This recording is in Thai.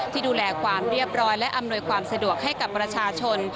ที่ดูแลความเรียบร้อยและอำนวยความสะดวกให้กับประชาชน